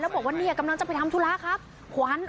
แล้วบอกว่ากำลังจะไปทำธุระครับ